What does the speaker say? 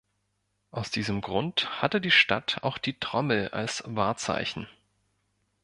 Aus diesem Grund hatte die Stadt auch die Trommel als Wahrzeichen.